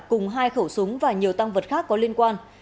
cùng hai khẩu súng và nhiều tăng vật khác có liên quan